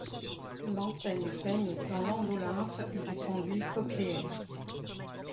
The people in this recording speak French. L'ensemble baigne dans l'endolymphe du conduit cochléaire.